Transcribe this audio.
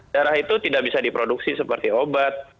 darah itu tidak bisa diproduksi seperti obat